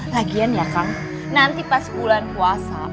lagian ya kang nanti pas bulan puasa